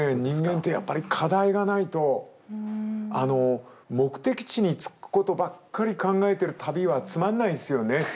人間ってやっぱり課題がないと目的地に着くことばっかり考えてる旅はつまんないんすよね。